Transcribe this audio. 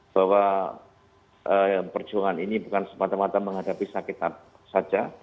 bahwa perjuangan ini bukan semata mata menghadapi sakit saja